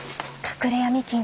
隠れ闇金？